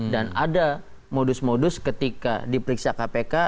dan ada modus modus ketika diperiksa kpk